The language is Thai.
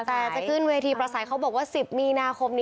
ขึ้นเวที่ประขายเขาบอกว่า